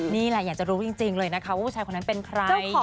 นี่แหละอยากจะรู้จริงเลยนะคะว่าผู้ชายคนนั้นเป็นใคร